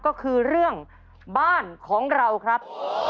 ก็คือเรื่องบ้านของเราครับ